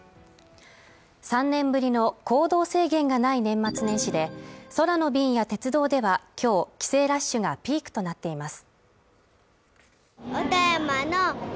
３年ぶりの行動制限がない年末年始で空の便や鉄道では今日、帰省ラッシュがピークとなっています。